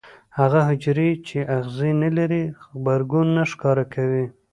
هغه حجرې چې آخذې نه لري غبرګون نه ښکاره کوي.